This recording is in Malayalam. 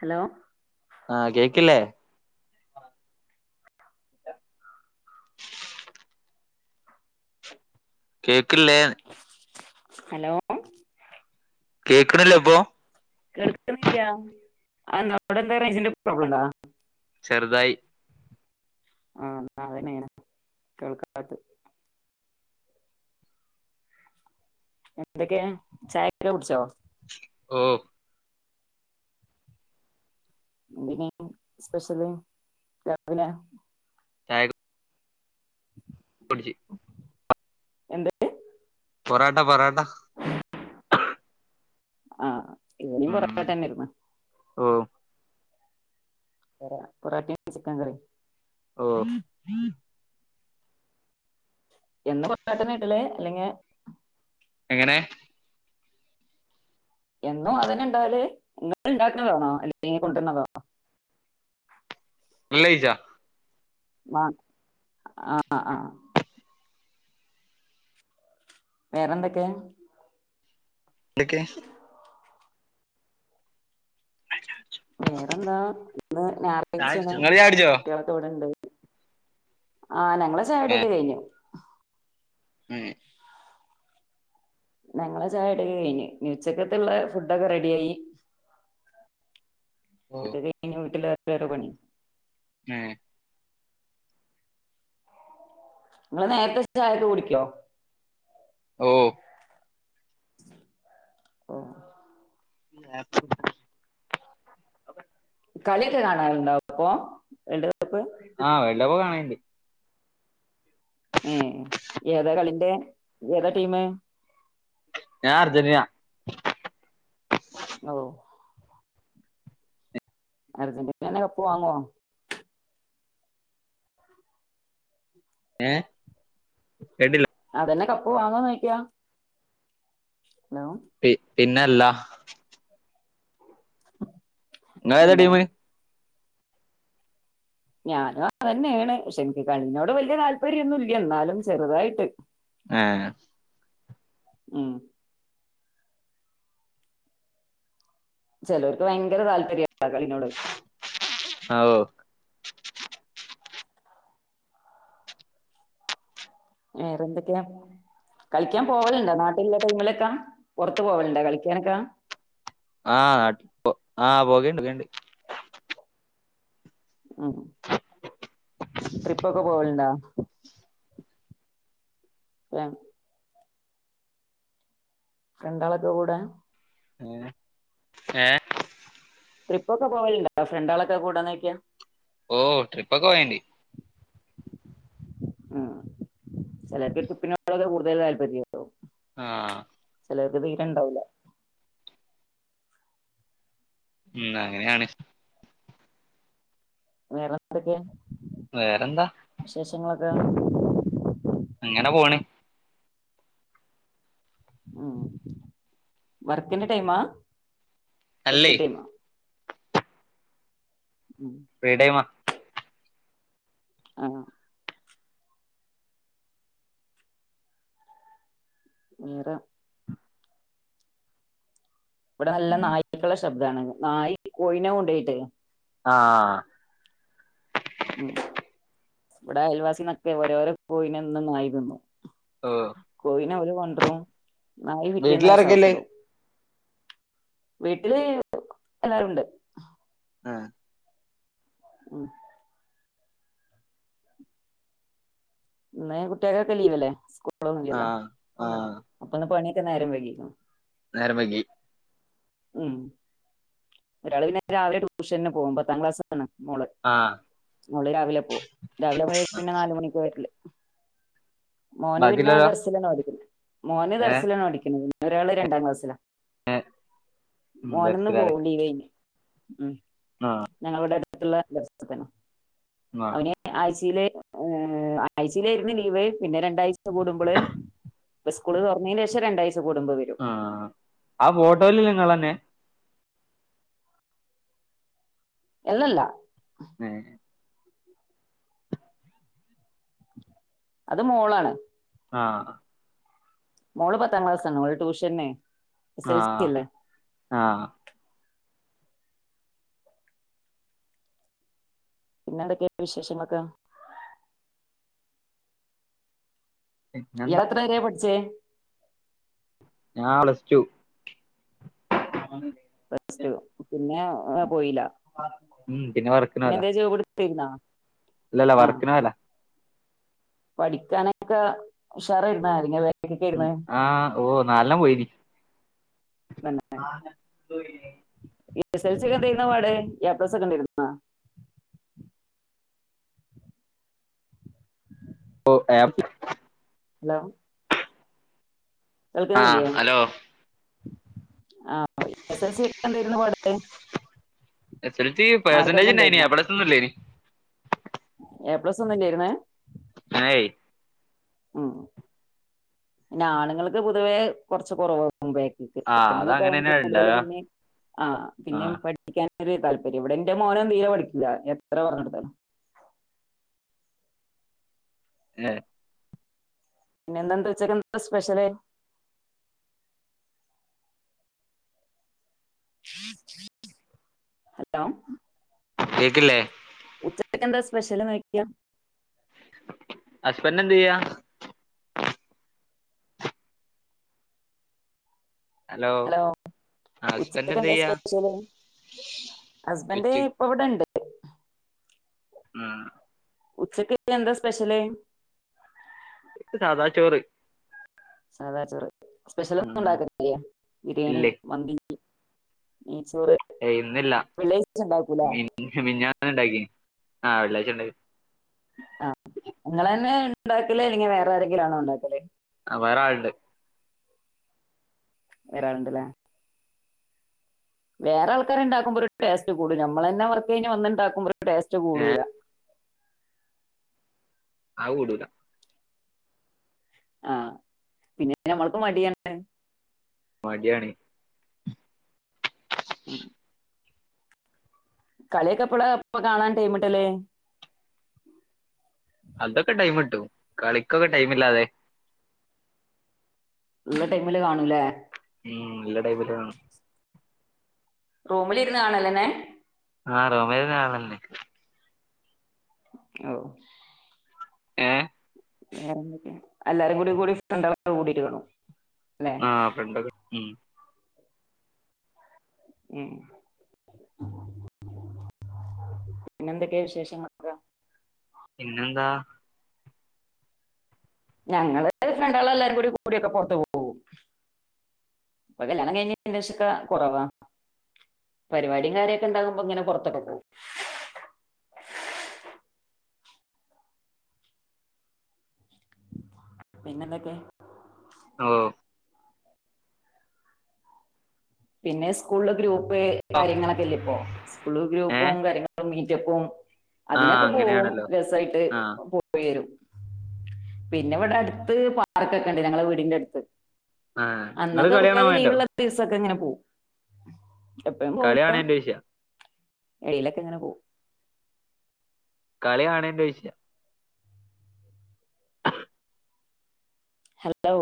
ഹലോ ആഹ് കേക്ക്ല്ലേ. കേക്ക്ല്ലേന്ന്. ഹലോ കേക്ക്ണില്ലേ ഇപ്പൊ. കേൾക്ക്ണില്ല ആവിടെന്താ റൈഞ്ചിന്റെ പ്രോബ്ലംണ്ടാ? ചെറുതായി. ആ അതന്നെങ്ങനെ കേൾക്കാത്ത. എന്തൊക്കെ ചായക്കെ കുടിച്ചോ? ഓ എന്തേനി സ്പെഷ്യല് രാവിലെ? ചായ ക്കെ എന്ത്? പൊറാട്ട പൊറാട്ട. ആഹ് ഇവിടെയും ഉം പൊറട്ട തന്നെര്ന്ന്. ഓ പൊറ പൊറോട്ടിം ചിക്കൻ കറിം. ഓ എന്ന പട്ടനട്ടുള്ളേ അല്ലെങ്ക എങ്ങനെ എന്നും അതിനുണ്ടാല് നിങ്ങൾ ഉണ്ടാക്കുന്നതാണോ അല്ലെ കൊണ്ടുവരുന്നതാണോ അല്ല ജ വ ആഹ ആഹ് വേറെന്തൊക്കെ എന്തക്കെ വേറെന്താ ഇന്ന് ഞായറാഴ്ചാണ് ഇങ്ങള് ചായ കുടിച്ചോ കുട്ടികളക്ക ഇവിടെണ്ട് ആ ഞങ്ങൾ ചായ കുടിയൊക്കെ കഴിഞ്ഞു ഉം ഞങ്ങള് ചായ കുടി കഴിഞ്ഞു ഉച്ചയ്ക്കത്തള്ള ഫുഡ ഒക്കെ റെഡിിയയി ഓ അത വീട്ടില വരെപണി ഉം നിങ്ങള് നേരത്തെ ചായട്ട കുടിക്കോ ഓ ഓ പ്പ അ കളിയൊക്കെ കാണാറുണ്ടാവും അപ്പൊ എ ആഹ ചിലപ്പോകാണണ്ട് ഏതാ കളിറെ ഏതാ ടീം ഞാൻ അർജന്റീന ഓ അർജന്റീന പോവാങ്ങോ ഏ കേട്ടില്ല അതന്നെ കപ്പ വാങ്ങാ ചോദിക്കാ ഹലോ പിന്നെല്ലാ ങ്ങ ഏതാ പിന്നെ ടീമ ഞാനും അതന്നെയാണ് പക്ഷെ എനിക്ക് കളിനോട് വല്യ താല്പര്യൊന്നുംല്ല എന്നാലും ചെറുതായിട്ട് ആഹ ഉം ചിലവർക്ക് ഭയങ്കര താല്പര്യം കളിനോട് ഓ വേറെന്തൊക്കെയാ കളിക്കാൻ പോവലുണ്ടാ നാട്ടിലുള്ള ടൈമിലൊക്കാ പുറത്തു പോവലുണ്ടാ കളിക്കാനൊക്കാ- ആഹ് നാട്ട ആഹ് പോകേണ്ട് ണ്ട്- ഉം ട്രിപ്പൊക്കെ പോവലുണ്ടാ? ആഹ് - ഫ്രണ്ടാളൊക്കെ കൂടെ- ഉം ഏ- ട്രിപ്പ് ഒക്കെ പോല്ണ്ട ഫ്രണ്ടാളൊക്കെ കൂടാന്നായ്ക്കാ- ഓ ട്രിപ്പക്ക പോയിണ്ട്- ആഹ് ചെലർക്ക് ട്രിപ്പി [unintelligible] കൂടുതല് താല്പര്യോം ആഹ് ചെലർക്ക് തീരെ ഇണ്ടാവൂല ഉം അങ്ങനെയാണ് വേറെ എന്താക്കെ വേറെന്താ [unintelligible] അങ്ങനെ പോണ് ആഹ്‌ വർക്കിന്റെ ടൈമാ പ്പ അല്ലേ ഫ്രീട്ടേമാ ഉം ഫ്രീ ടൈമാ ആഹ് [unintelligible] ഇവടെ നല്ല നായിക്കളെ ശബ്ദാണ് നായി കോഴിനെ കൊണ്ടോയിട്ട് ആഹ് ഉം ഇവടെ അയൽവാസിന്നൊക്കെ ഓരോരോ കോഴിനെ എന്നും നായി തിന്നും ഓഹ് നെ അവര് കൊ [unintelligible] നായി പിറ്റേന്നത് വീട്ടിലാരൊക്കെല്ലേ സാപ്പ്ടും വീട്ടില് എല്ലാരുണ്ട് ആഹ് ഉം ഇന്ന് കുട്ടികകൊക്കെ ലീവല്ലേ സ്കൂ സ്കൂൾ ഒനും ഇല്ലല്ലോ ആഹ് ആഹ് അപ്പോന്ന് പണി ഇന്ന് നേരം വൈകിക്കുണു നേരം വൈകി ഉം ഒരാൾ പിന്നെ രാവിലെ ട്യൂഷന് പോകും പത്താം ക്ലാസ്സാ ണ് മോള് ആഹ് മോള് രാവിലെ പോകും രാവിലെ പോയി പിന്നെ നാല് മണിക്കാ വരല് മോന് പിന്നെ ബാക്കിയുള്ളോരോ ദർസിലാണ് പഠിക്കുന്നെ മോന് ഏഹ് ദർസലാണ് പഠിക്കുന്നത് ഒരാള് രണ്ടാംക്ലാസ്സിലാ ഏഹ് ഉം മോനന്നു ദർസിലാലെ പോണി ലീ [unintelligible] ആഹ് ഞങ്ങൾക്ക് ത്തിള്ള ആഹ് അവനെ ആഴ്ചയിലെ ഏ ആഴ്ചയിലായിരുന്നു ലീവ് പിന്നെ രണ്ടാഴ്ച കൂടുമ്പോള് സ്കൂള് തുറന്നതിന് ശേഷം രണ്ടാഴ് കുടുമ്പ വരും ആഹ് ആ ഫോട്ടോയില് നിങ്ങളന്നെ എല്ലല്ല ഏഹ് അത് മോളാണ് ആ മോള് പത്താം ക്ലാസ് ആണ് ഓൾ ട്യൂഷനെ ആ ആ പിന്നെ എന്തൊക്കെ വിശേഷങ്ങൾക്ക ഇയാൾ പിന്നെന്താ എത്ര വരെയ പഠിച്ചേ ഞാൻ പ്ലസ് ടു പ്ലസ് ടു പിന്നെ ഓ മ് പിന്നെ വർക്കിന് പോയതാ പിനാ അല്ലല്ല വർക്കിന് പോയല്ല പഠിക്കാനൊക്കെ ഉഷറായിരുന്ന ആ ഓ നാല്ല പോയിന് [unintelligible] എസ് എൽസി ഒക്കെ ന്തെരുന്ന പാട് എ പ്ലസ് ഒക്കെ ണ്ടായിരുന്ന ഓ എപ്പ് ഹലോ ആ കേൾക്കുന്നില്ലേ ഹലോ ആ എസ് എൽ സി ഒക്കെ എന്തായിരുന്നു പാട് S S L C percentage മാർക്കൊക്കെ ഇന്ടായിൻ എ ഉണ്ടായിരുന്ന പ്ലസ് ഒന്നുഇല്ലെന് എ പ്ലസ് ഒന്നുംല്ലായിരുന്ന് ഏയ് മ് പിന്നെ ആണുങ്ങൾക്ക് പൊതുവേ കുറച്ച് കുറവ [unintelligible] ആഹ് പെണുങ്ങൾക്ക് അതങ്ങനെന്നെ കൂടുതൽ ഇണ്ടാവ പിന്നെ അഹ് പിന്നെ ആഹ് പഠിക്കാൻ താല്പര്യം ഇവിടെ എന്റെ മോൻ തീരെ പഠിക്കൂല എത്ര പറഞ്ഞടുത്താലും ഏഹ് പിന്നെ എന്തുണ്ട് ഉച്ചക്ക് എന്താ സ്പെഷ്യൽ ഹലോ കേക്കില്ലേ ഉച്ചക്ക് എന്താ സ്പെഷ്യലു വെക്ക ഹസ്ബൻഡ് എന്ത് ചെയ്യാ ഹലോ ആഹ് ഹസ്ബൻഡ് ഉച്ചക്ക എന്ത് എന്താ ചെയ്യാ സ്പെഷ്യൽ ഹസ്ബൻഡ ഉച്ച ഇപ്പൊ ഇവിടെണ്ട് ആ ഉച്ചക്ക് എന്താ സ്പെഷ്യല് സാദാ ചോറ് സാദാ ചോറ് സ്പെഷ്യൽ ഒന്നും ഉം ഉണ്ടാക്കുന്നല്ലേ ബിരിയാണി, മന്തി ഉമ് ഏ ഇന്നില്ല ഉണ്ടാക്കൂല മി മിഞ്ഞാന്ന് ഇണ്ടാക്കിനി ആഹ് വെള്ളാഴ്ച ഇണ്ടാ ആഹ ഇങ്ങളെന്നെ ഉണ്ടാക്കല ഇല്ലെങ്കിൽ വേറെ ആരെങ്കിലും ആണോ ഇണ്ടാക്കല് ആഹ് വേറെ ആളണ്ട് വേറാളുണ്ട് ല്ലേ വേറെ ആൾക്കാരുണ്ടാക്കുമ്പോ ഒരു ടസ്റ്റ് കൂടും നമ്മളന്നെ വർക്ക് കഴിഞ്ഞ വന്നിണ്ടാക്കുമ്പോ ടേസ്റ്റ് ഏഹ് കൂടൂല അ കുടൂല ആഹ പിന്നെ ഞമ്മൾക്ക് മടിയാണ് മടിയാണ് ഉമ് കളിയൊക്കെ എപ്പള കാണാൻ ടൈമിട്ടല് അതൊക്കെ ടൈം കിട്ടും കളിക്കൊക്കെ ടൈമില്ലാതെ ഉള്ള ടൈമില് കാണൂലേ ഉം ഇല്ല ടൈമില്ല് കാണും റൂമിലിരുന്ന് കാണല്ലന്നെ ആ റൂമിലിരുന്ന് കാണല ഓ ഏ എല്ലാരും കൂടി കൂടി ഫ്രണ്ടടെ കൂടിരിക്കണു ആ ഫ്രണ്ടൊക്കെ ഉ ഉം പിന്നെന്തൊക്കെയ വിശേഷങ്ങളക്ക പിന്നെന്താ ഞങ്ങള് ഫ്രണ്ട ആള എല്ലാരും കൂടി കൂടൊക്കെ പുറത്ത പോവും. ഇപ്പൊ കല്യാണം കഴിഞ്ഞ ശേഷക്കെ കുറവാ. പരിപാടിയും കാര്യൊക്കെ ഇണ്ടാകുമ്പോ ഇങ്ങനെ പൊറത്തൊക്കെ പോവും പിന്നെന്തൊക്കെ ഓ പിന്നെ സ്കൂളിലെ ഗ്രൂപ്പ് കാര്യങ്ങളൊക്കെല്ലപ്പോ സ്കൂ ഏഹ് ഗ്രൂപ്പും കാര്യങ്ങളും മീറ്റപ്പും ആഹ് അതിനൊക്കെ പോവും അങ്ങനെയാണല്ലോ രസായിട്ട് ആഹ് പോയി വരും പിന്നെ ഇവിടെ അടുത്ത് പാർക്കൊക്കെ ഉണ്ട് ഞങ്ങളെ വീടിന്റെ അടുത്ത് ആ നിങ്ങള് കളിയാണാൻ പോവേ ണ്ടോ ങ്ങനെ പോ എപ്പഴും കളി പോവില്ല കാണേന്റെ വിഷയാ എഴയിലൊക്കെ എങ്ങനെ പോ കളി യാണേന്റെ ഏഷ്യ ഹലോ